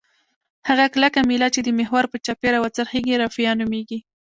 هغه کلکه میله چې د محور په چاپیره وڅرخیږي رافعه نومیږي.